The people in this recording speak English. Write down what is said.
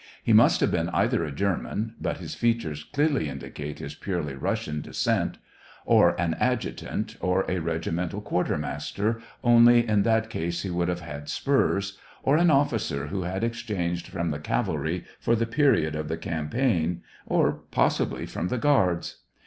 He must have been either a German — but his features clearly indi cate his purely Russian descent — or an adjutant, or a regimental quartermaster, only in that case he would have had spurs, or an officer who had exchanged from the cavalry for the period of the campaign, or possibly from the Guards.